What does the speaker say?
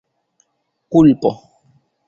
kulpo